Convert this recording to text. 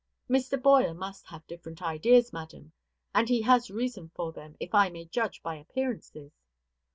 "Mr. Boyer must have different ideas, madam; and he has reason for them, if I may judge by appearances.